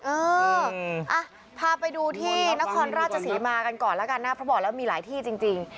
เออพาไปดูที่นครราชศรีมากันก่อนแล้วกันนะเพราะบอกแล้วมีหลายที่จริง